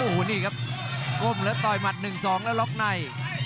โหนี่ครับก้มเละกดต่อยมัดสองแล้วลกใน